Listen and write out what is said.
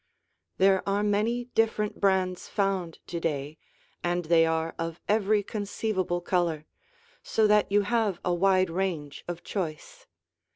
There are many different brands found to day, and they are of every conceivable color, so that you have a wide range of choice.